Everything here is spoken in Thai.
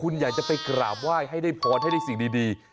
คุณอยากจะไปกราบไหว้ให้ได้พรให้ได้สิ่งดี